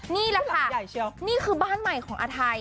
นี่แหละค่ะนี่คือบ้านใหม่ของอาไท